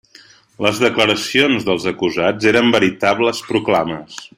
Les declaracions dels acusats eren veritables proclames.